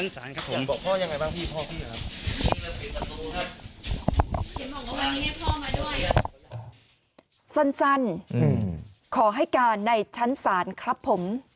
สั้นขอให้การในชั้นศาลครับผม